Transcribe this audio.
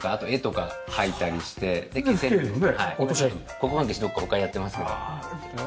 黒板消しどこか他にやってますけど。